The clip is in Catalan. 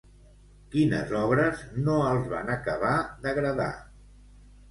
Quines obres no els van acabar d'agradar?